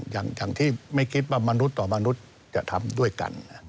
อย่างที่ไม่คิดว่ามนุษย์ต่อมนุษย์จะทำด้วยกัน